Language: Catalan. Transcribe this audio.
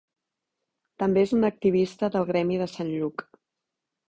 També és un activista del Gremi de Sant Lluc.